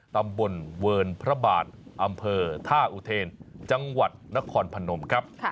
ตำบลเวิร์นพระบาทอำเภอท่าอุเทนจังหวัดนครพนมครับ